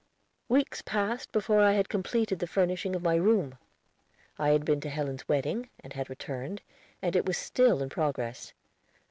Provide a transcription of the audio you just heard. Weeks passed before I had completed the furnishing of my room; I had been to Helen's wedding, and had returned, and it was still in progress.